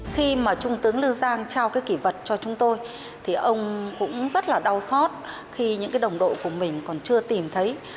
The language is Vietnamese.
khi mà trung tướng lưu giang trao cái kỷ vật cho chúng tôi thì ông cũng rất là đau xót khi những cái đồng đội của mình còn chưa tìm thấy